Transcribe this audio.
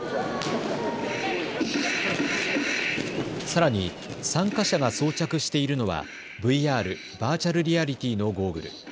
さらに参加者が装着しているのはＶＲ・バーチャルリアリティーのゴーグル。